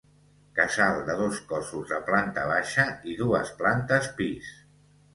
Casal de dos cossos de planta baixa i dues plantes pis.